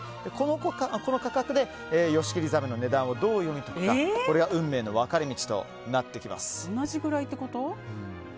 この価格でヨシキリザメの値段をどう読み解くかこれが運命の分かれ道となってきます。